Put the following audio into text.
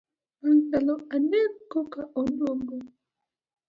Bang ndalo adek koka oduogo.